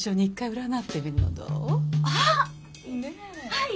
はい！